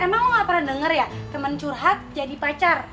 emang lo gak pernah denger ya temen curhat jadi pacar